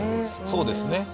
そうですね。